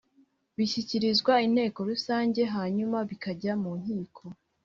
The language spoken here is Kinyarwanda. bishyikirizwa inteko rusange hanyuma bikajya mu nkiko